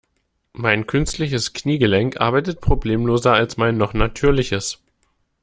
Mein künstliches Kniegelenk arbeitet problemloser als mein noch natürliches.